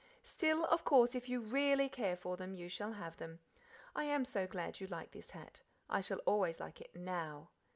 Still, of course, if you REALLY care for them you shall have them. I am so glad you like this hat. I shall always like it NOW.